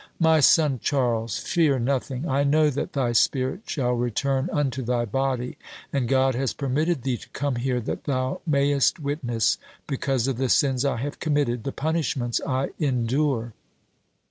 'My son Charles, fear nothing! I know that thy spirit shall return unto thy body; and God has permitted thee to come here that thou mayest witness, because of the sins I have committed, the punishments I endure.